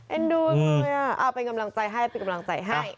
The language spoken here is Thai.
ดูเลยเอาเป็นกำลังใจให้เป็นกำลังใจให้